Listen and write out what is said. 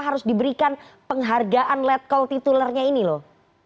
harus diberikan penghargaan let call titulernya ini loh